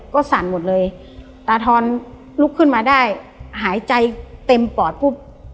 ก็สั่นหมดเลยตาทอนลุกขึ้นมาได้หายใจเต็มปอดปุ๊บ